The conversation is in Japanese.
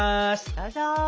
どうぞ！